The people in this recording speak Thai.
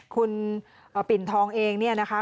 คุณปิ่นทองเองเนี่ยนะคะ